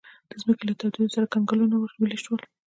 د ځمکې له تودېدو سره کنګلونه ویلې شول.